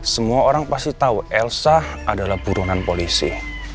semua orang pasti tahu elsa adalah buronan polisi